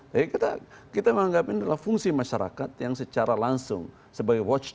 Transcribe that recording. jadi kita menganggap ini adalah fungsi masyarakat yang secara langsung sebagai watchdog